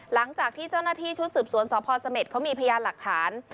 หลังจากที่เจ้าหน้าที่ชุดสืบสวนสพเสม็ดเขามีพยานหลักฐาน